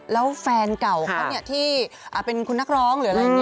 แล้วแฟนเก่าเขาบ้างที่เป็นคุณนครร้อง